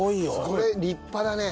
これ立派だね。